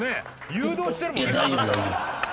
誘導してるもんね。